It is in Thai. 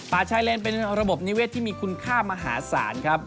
ชายเลนเป็นระบบนิเวศที่มีคุณค่ามหาศาลครับ